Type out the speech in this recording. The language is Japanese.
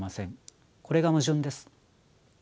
これが矛盾です。